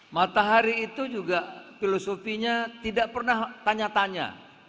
matahari itu juga filosofinya tidak pernah tanya tanya